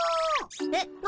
えっ？